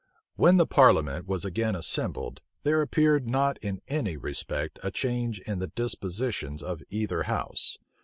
When the parliament was again assembled, there appeared not in any respect a change in the dispositions of either house.